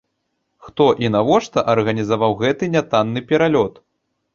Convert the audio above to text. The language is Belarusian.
Хто і навошта арганізаваў гэты нятанны пералёт?